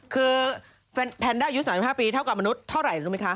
คือแพนด้าอายุ๓๕ปีเท่ากับมนุษย์เท่าไหร่รู้ไหมคะ